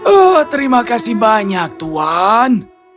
oh terima kasih banyak tuhan